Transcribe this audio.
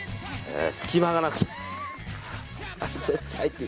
隙間がなくて。